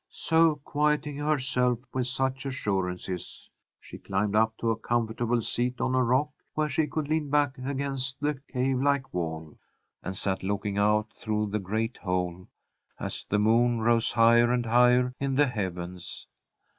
So, quieting herself with such assurances, she climbed up to a comfortable seat on a rock, where she could lean back against the cavelike wall, and sat looking out through the great hole, as the moon rose higher and higher in the heavens.